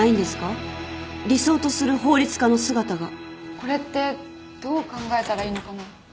これってどう考えたらいいのかな？